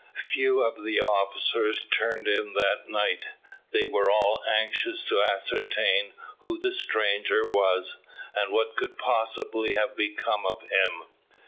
Few of the officers turned in that night; they were all anxious to ascertain who the stranger was, and what could possibly have become of him.